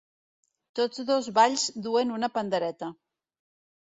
Tots dos balls duen una pandereta.